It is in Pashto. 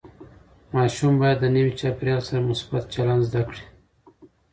ماشوم باید د نوي چاپېریال سره مثبت چلند زده کړي.